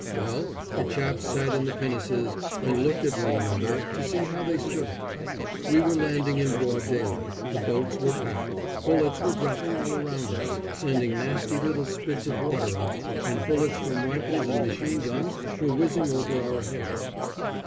Well, the chaps sat in the pinnaces and looked at one another, to see how they stood it. We were landing in broad daylight, the boats were packed, bullets were dropping all around us, sending nasty little spits of water up; and bullets from rifles and machine guns were whizzing over our heads.